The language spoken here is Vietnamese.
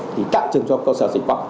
thì tạo trường trung học cơ sở dịch vọng